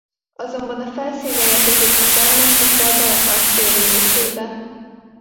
Azonban a felszínre érkezés után nem sokkal belehal sérülésébe.